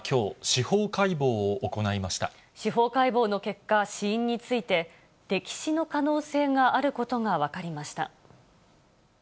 司法解剖の結果、死因について、溺死の可能性があることが分かりました。